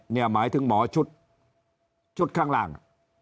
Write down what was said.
เนี่ยหมายถึงหมอชุดชุดข้างล่าง